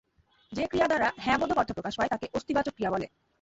যে ক্রিয়া দ্বারা হ্যাঁ-বোধক অর্থ প্রকাশ পায় তাকে অস্তিবাচক ক্রিয়া বলে।